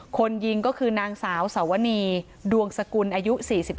คนยิงก็คือนางสาวสวนีดวงสกุลอายุ๔๒